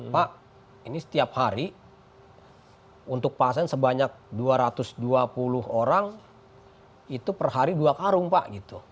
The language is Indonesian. pak ini setiap hari untuk pasien sebanyak dua ratus dua puluh orang itu per hari dua karung pak